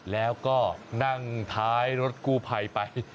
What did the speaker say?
แล้วก็นั่งท้ายรถกู้ภัยไป